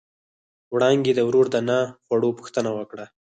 وړانګې د ورور د نه خوړو پوښتنه وکړه.